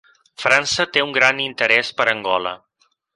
França té un gran interès per Angola.